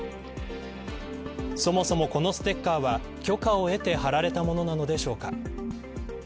そもそもこのステッカーは許可を得て貼られたものなのでしょうか。